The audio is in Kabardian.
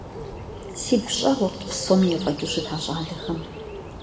Сигу щӀэгъурт псоми ефӀэкӀыу щыта щӏалэм.